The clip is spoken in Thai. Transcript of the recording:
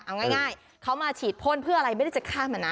เอาง่ายเขามาฉีดพ่นเพื่ออะไรไม่ได้จะฆ่ามันนะ